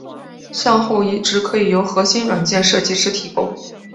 向后移植可以由核心软件设计师提供。